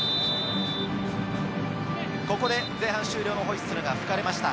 前半終了のホイッスルが吹かれました。